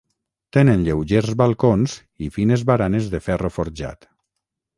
Tenen lleugers balcons i fines baranes de ferro forjat.